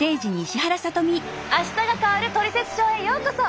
「あしたが変わるトリセツショー」へようこそ！